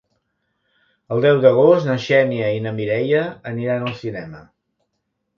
El deu d'agost na Xènia i na Mireia aniran al cinema.